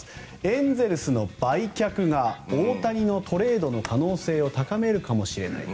エンゼルスの売却が大谷のトレードの可能性を高めるかもしれない。